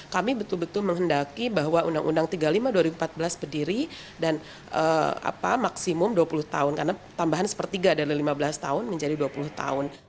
kami betul betul menghendaki bahwa undang undang tiga puluh lima dua ribu empat belas berdiri dan maksimum dua puluh tahun karena tambahan sepertiga dari lima belas tahun menjadi dua puluh tahun